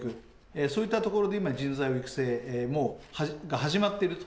そういったところで今人材育成が始まっているということです。